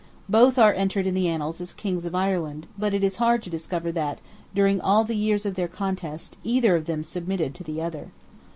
Both are entered in the annals as "Kings of Ireland," but it is hard to discover that, during all the years of their contest, either of them submitted to the other.